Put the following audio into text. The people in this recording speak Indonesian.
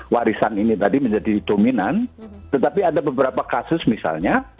warisan ini tadi menjadi dominan tetapi ada beberapa kasus misalnya